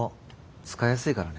使いやすいからね。